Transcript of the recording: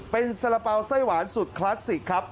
เป็นสาระเป๋าไส้หวานสุดคลาสสิกครับ